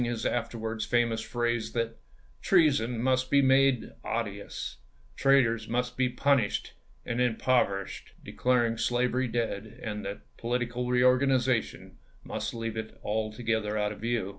his afterwards famous phrase that " treason must be made odious, traitors must be punished and impover ished"; declaring slavery dead, and that political pampMet. reorganization must leave it altogether out of view.